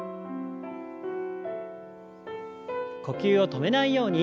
呼吸を止めないように。